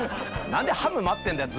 何でハム待ってんだよ